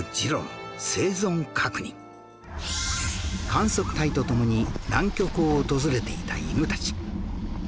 観測隊と共に南極を訪れていた犬たち